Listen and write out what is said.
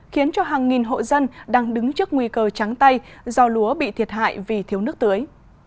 khiến cho hàng nghìn hộ dân đang đứng trước nguy cơ trắng tay do lúa bị thiệt hại vì thiếu nước tưới